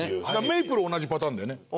メイプル同じパターンだよね。